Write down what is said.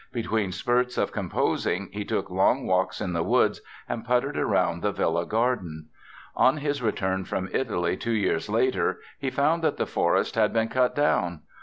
Between spurts of composing he took long walks in the woods and puttered around the villa garden. On his return from Italy two years later he found that the forest had been cut down.